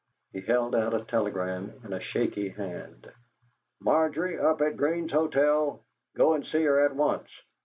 He held out a telegram in a shaky hand. "Margery up at Green's Hotel. Go and see her at once.